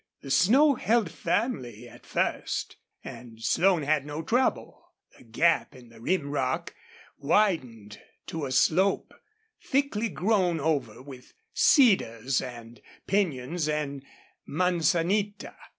The snow held firmly at first and Slone had no trouble. The gap in the rim rock widened to a slope thickly grown over with cedars and pinyons and manzanita.